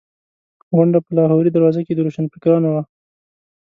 غونډه په لاهوري دروازه کې د روشنفکرانو وه.